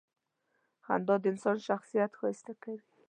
• خندا د انسان شخصیت ښایسته کوي.